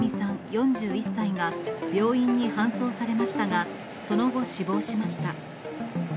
４１歳が病院に搬送されましたが、その後、死亡しました。